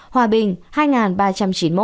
hòa bình hai ba trăm chín mươi một